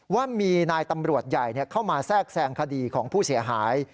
ว่ามีนายตำรวจใหญ่เข้ามาแทรกแซงคดีของผู้เสียหาย